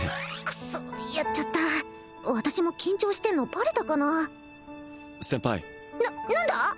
クソッやっちゃった私も緊張してんのバレたかな先輩な何だ？